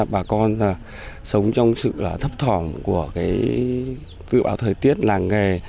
bà con sống trong sự thấp thỏng của cái cựu áo thời tiết làng nghề